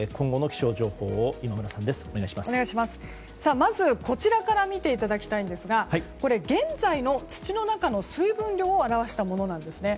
まず、こちらから見ていただきたいんですがこれ現在の土の中の水分量を表したものなんですね。